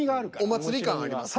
お祭り感ありますね。